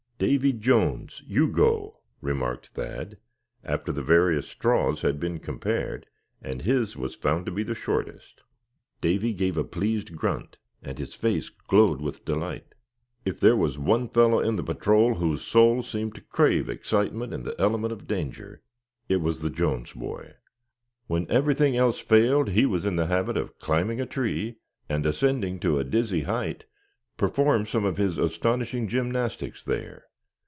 "Davy Jones, you go!" remarked Thad, after the various "straws" had been compared, and his was found to be the shortest. Davy gave a pleased grunt and his face glowed with delight. If there was one fellow in the patrol whose soul seemed to crave excitement, and the element of danger, it was the Jones' boy. When everything else failed he was in the habit of climbing a tree, and ascending to a dizzy height, perform some of his astonishing gymnastics there.